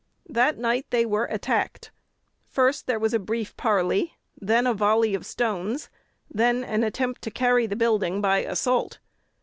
That night they were attacked. First there was a brief parley, then a volley of stones, then an attempt to carry the building by assault.